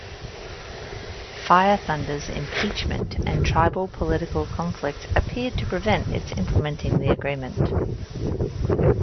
Fire Thunder's impeachment and tribal political conflict appeared to prevent its implementing the agreement.